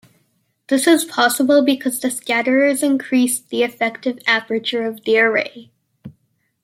This is possible because the scatterers increased the effective aperture of the array.